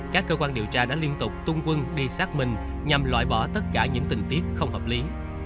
các cơ quan điều tra đã liên tục tung quân đi xác minh nhằm loại bỏ tất cả những tình tiết không hợp lý